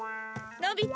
のび太！